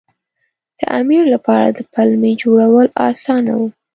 د امیر لپاره د پلمې جوړول اسانه وو.